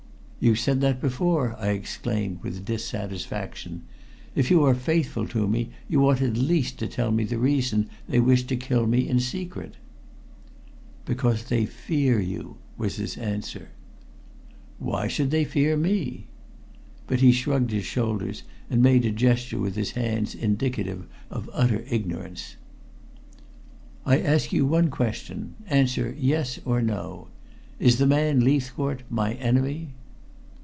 "You said that before," I exclaimed with dissatisfaction. "If you are faithful to me, you ought at least to tell me the reason they wished to kill me in secret." "Because they fear you," was his answer. "Why should they fear me?" But he shrugged his shoulders, and made a gesture with his hands indicative of utter ignorance. "I ask you one question. Answer yes or no. Is the man Leithcourt my enemy?"